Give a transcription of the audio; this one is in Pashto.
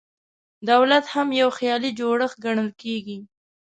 دولت هم یو خیالي جوړښت ګڼل کېږي.